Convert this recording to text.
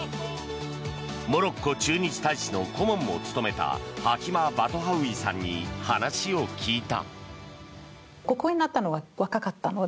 モロッコ駐日大使の顧問も務めたハキマ・バトハウイさんに話を聞いた。